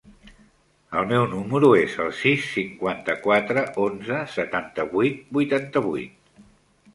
El meu número es el sis, cinquanta-quatre, onze, setanta-vuit, vuitanta-vuit.